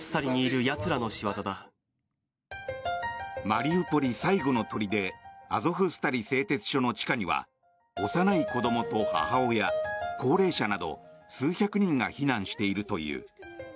マリウポリ最後の砦アゾフスタリ製鉄所の地下には幼い子どもと母親、高齢者など数百人が避難しているという。